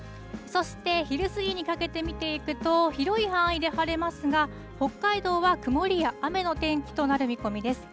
そして、昼過ぎにかけて見ていくと、広い範囲で晴れますが、北海道は曇りや雨の天気となる見込みです。